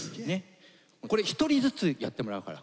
これ１人ずつやってもらうから。